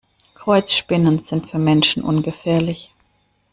Kreuzspinnen sind für Menschen ungefährlich.